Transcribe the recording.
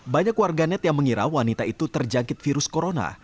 banyak warganet yang mengira wanita itu terjangkit virus corona